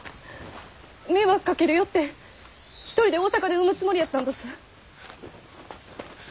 迷惑かけるよって一人で大阪で産むつもりやったんどす。